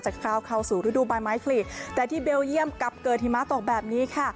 เข้าสู่ฤดูใบไม้คลีกแต่ที่เบลเยี่ยมกลับเกิดหิมะตกแบบนี้ค่ะ